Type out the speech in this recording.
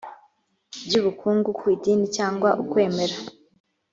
by ubukungu ku idini cyangwa ukwemera